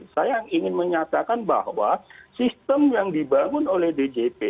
saya ingin menyatakan bahwa sistem yang dibangun oleh djp